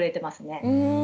うん。